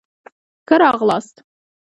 ښه راغلاست.